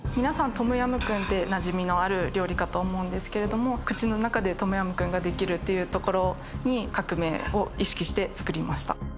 トムヤムクンって馴染みのある料理かと思うんですけれども口の中でトムヤムクンが出来るっていうところに革命を意識して作りました